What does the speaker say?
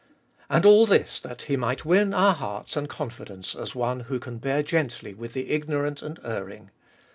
And all this, that He might win our hearts and confidence as one who can bear gently with the ignorant and erring.